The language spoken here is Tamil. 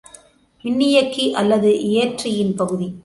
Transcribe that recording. மின்னியக்கி அல்லது இயற்றியின் பகுதி.